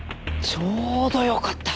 ちょうどよかった。